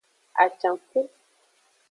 Acanku.